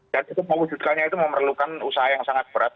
dan itu mau wujudkannya itu memerlukan usaha yang sangat berat